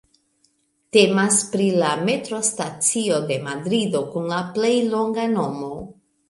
Temas pri la metrostacio de Madrido kun la plej longa nomo.